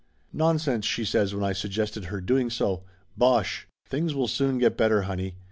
"Nonsense!" she says when I suggested her doing so. "Bosh ! Things will soon get better, honey